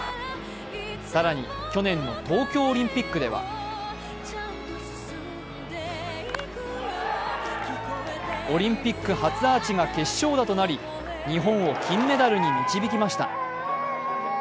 更に去年の東京オリンピックではオリンピック決勝打が初アーチとなり日本を金メダルに導きました。